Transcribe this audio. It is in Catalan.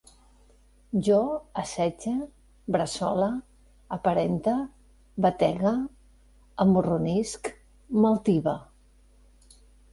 Jo assetge, bressole, aparente, bategue, amorronisc, m'altive